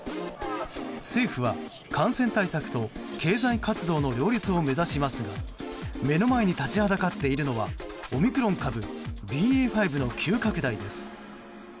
政府は感染対策と経済活動の両立を目指しますが目の前に立ちはだかっているのはオミクロン株ＢＡ．５の急拡大です。